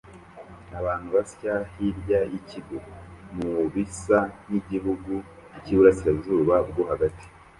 Abantu basya hirya yikigo mubisa nkigihugu cyiburasirazuba bwo hagati